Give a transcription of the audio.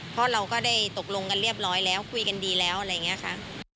เพราะเราก็ได้ตกลงกันเรียบร้อยแล้วคุยกันดีแล้วอะไรอย่างนี้ค่ะ